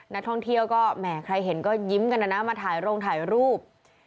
นักท่องเที่ยวก็แหมใครเห็นก็ยิ้มกันนะนะมาถ่ายโรงถ่ายรูป